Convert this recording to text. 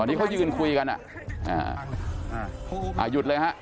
ที่เขายืนคุยกันอ่ะอ่าหยุดเลยฮะ